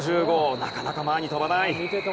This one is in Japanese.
なかなか前に飛ばない。